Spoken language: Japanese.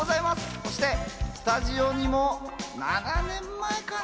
そしてスタジオにも７年前かな？